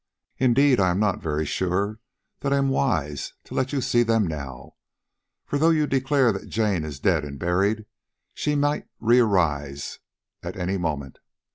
Indeed I am not sure that I am wise to let you see them now, for though you declare that Jane is dead and buried, she might re arise at any moment.